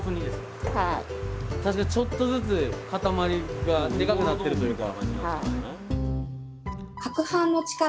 確かにちょっとずつ固まりがデカくなってるというか。